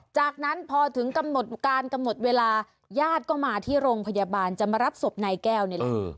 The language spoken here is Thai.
จากนั้นพอถึงกำหนดการกำหนดเวลาญาติก็มาที่โรงพยาบาลจะมารับศพนายแก้วนี่แหละ